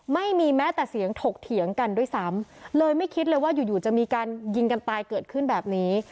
ไม่มีแม้แต่เสียงถกเถียงกันด้วยซ้ำเลยไม่คิดเลยว่าอยู่อยู่จะมีการยิงกันตายเกิดขึ้นแบบนี้